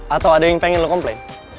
atau ada yang pengen lo komplain